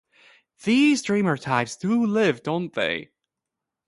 These dreamer types do live, don't they?